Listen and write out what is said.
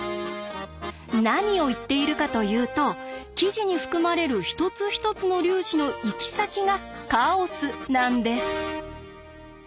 何を言っているかというと生地に含まれる一つ一つの粒子の行き先がカオスなんです。